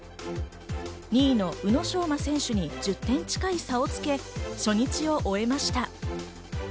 ２位の宇野昌磨選手に１０点近い差をつけ、初日を終えました。